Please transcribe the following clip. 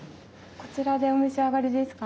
こちらでお召し上がりですか？